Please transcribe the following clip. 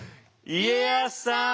家康さん。